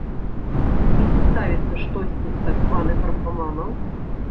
І ці ставіцца штосьці з так званых графаманаў?